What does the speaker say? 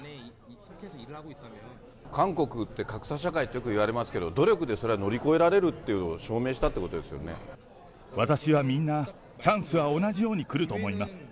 韓国って格差社会ってよく言われますけど、努力でそれを乗り越えられるっていうことを証明したっていうこと私はみんな、チャンスは同じように来ると思います。